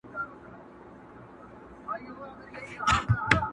• پر نیم ولس مو بنده چي د علم دروازه وي,